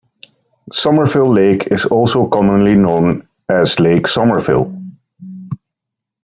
Somerville Lake is also commonly known as Lake Somerville.